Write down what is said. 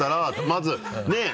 まずねぇ？